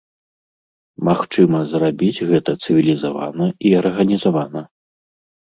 Магчыма зрабіць гэта цывілізавана і арганізавана.